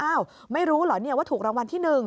อ้าวไม่รู้เหรอว่าถูกรางวัลที่๑